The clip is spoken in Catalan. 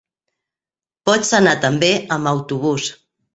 Pots anar també amb autobús.